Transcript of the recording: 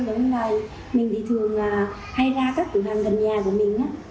nên là mình thì thường hay ra các cửa hàng gần nhà của mình